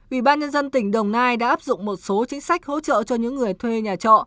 ủy ban nhân dân tỉnh đồng nai đã áp dụng một số chính sách hỗ trợ cho những người thuê nhà trọ